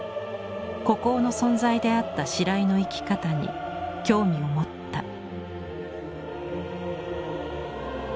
孤高の存在であった白井の生き方に興味を持った。